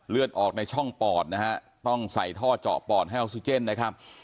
เลือดออกในช่องปอดนะฮะต้องใส่ท่อเจาะปอดให้ออกซิเจนนะครับ